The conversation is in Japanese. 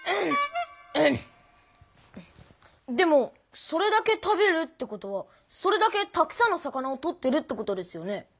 でもそれだけ食べるってことはそれだけたくさんの魚を取ってるってことですよね？